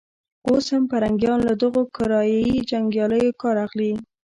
اوس هم پرنګيان له دغو کرایه يي جنګیالیو کار اخلي.